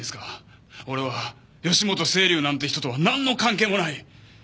俺は義本青流なんて人とはなんの関係もない！